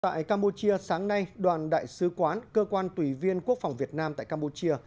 tại campuchia sáng nay đoàn đại sứ quán cơ quan tùy viên quốc phòng việt nam tại campuchia